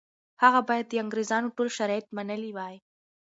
هغه باید د انګریزانو ټول شرایط منلي وای.